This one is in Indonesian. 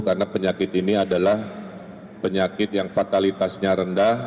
karena penyakit ini adalah penyakit yang fatalitasnya rendah